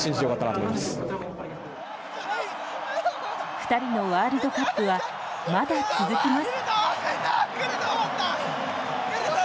２人のワールドカップはまだ続きます。